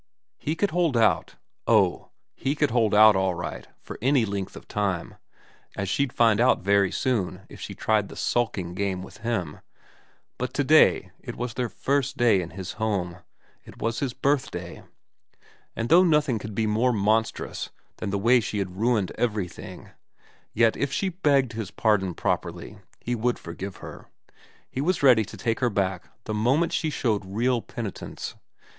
He could hold out oh, he could hold out all right for any length of time, as she'd find out very soon if she tried the sulking game with him but to day it was their first day in his home ; it was his birthday ; and though nothing could be more monstrous than the way she had ruined everything, yet if she begged his pardon properly he would forgive her, he was ready to take her back the moment she showed real penitence.